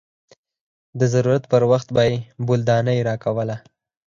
د ضرورت پر وخت به يې بولدانۍ راکوله.